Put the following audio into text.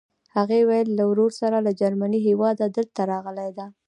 هغې ویل له ورور سره له جرمني هېواده دلته راغلې ده.